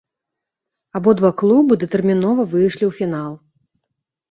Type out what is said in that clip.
Абодва клубы датэрмінова выйшлі ў фінал.